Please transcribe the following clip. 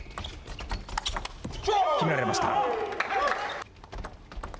決められました。